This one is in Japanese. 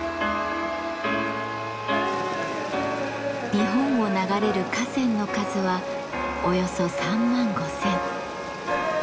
日本を流れる河川の数はおよそ３万５，０００。